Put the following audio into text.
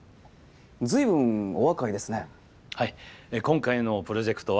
随分お若いですね。